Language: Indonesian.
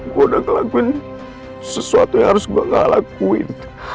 gua udah ngelakuin sesuatu yang harus gua ngelakuin